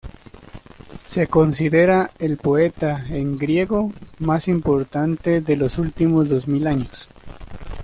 Se considera el poeta en griego más importante de los últimos dos mil años.